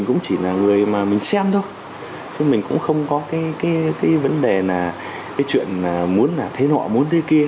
chứ mình cũng không có cái vấn đề là cái chuyện là muốn là thế nọ muốn thế kia